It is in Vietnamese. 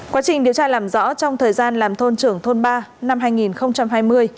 quá trình điều tra làm rõ trong thời gian làm thôn trưởng thôn ba năm hai nghìn hai mươi